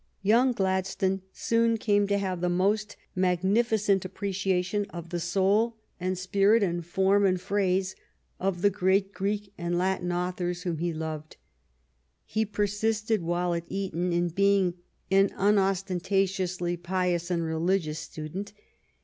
Young Gladstone soon came to have the most magnificent appreciation of the soul and spirit and form and phrase of the great Greek and Latin authors whom he loved. He persisted while at Eton in being an unostentatiously pious and re ligious student.